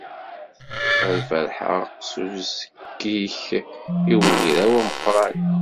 Ad berrḥeɣ s uzekki-k i wegraw ameqwran.